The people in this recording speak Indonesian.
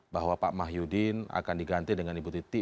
bahwa pak mah yudin akan diganti dengan ibu titi